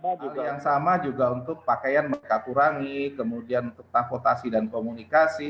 hal yang sama juga untuk pakaian mereka kurangi kemudian takutasi dan komunikasi